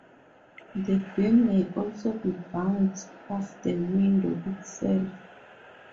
The beam may also be bounced off the window itself.